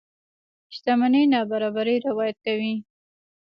شتمنۍ نابرابرۍ روايت دي.